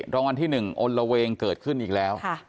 รางวัลที่๑อลละเวงเกิดขึ้นอีกแล้ว